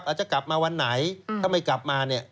จะกลับมาวันไหนถ้าไม่กลับมาเนี่ย